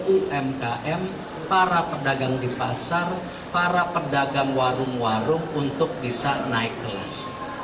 umkm para pedagang di pasar para pedagang warung warung untuk bisa naik kelas